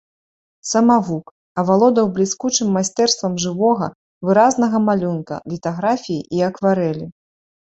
Самавук, авалодаў бліскучым майстэрствам жывога, выразнага малюнка, літаграфіі і акварэлі.